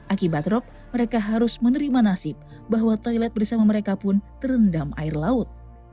akibat rop mereka harus menerima nasib bahwa toilet bersama mereka pun terendam air laut